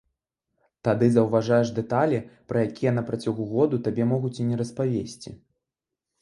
Тады заўважаеш дэталі, пра якія на працягу году табе могуць і не распавесці.